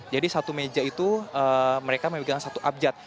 jadi satu meja itu mereka memegang satu abjad